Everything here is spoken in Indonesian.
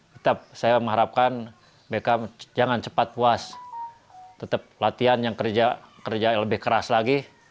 tetap saya mengharapkan beckham jangan cepat puas tetap latihan yang kerja lebih keras lagi